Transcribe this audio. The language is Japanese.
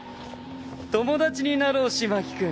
友達になろう風巻君。